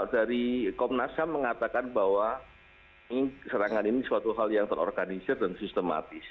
dari komnas ham mengatakan bahwa serangan ini suatu hal yang terorganisir dan sistematis